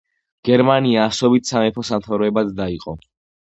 გერმანია ასობით სამეფო–სამთავროებად დაიყო.